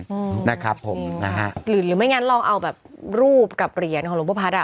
อืมนะครับผมนะฮะหรือหรือไม่งั้นลองเอาแบบรูปกับเหรียญของหลวงพ่อพัฒน์อ่ะ